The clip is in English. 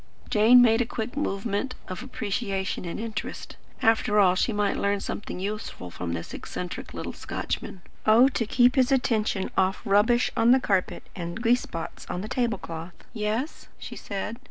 Jane made a quick movement of appreciation and interest. After all she might learn something useful from this eccentric little Scotchman. Oh to keep his attention off rubbish on the carpet, and grease spots on the table cloth! "Yes?" she said.